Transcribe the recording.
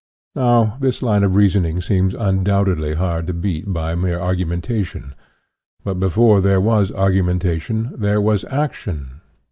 Now, this line of reasoning seems undoubtedly hard to beat by mere argumentation. But before there was argumentation, there was action.